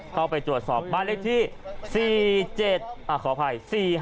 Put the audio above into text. เข้าไปตรวจสอบบ้านเลขที่๔๗ขออภัย๔๕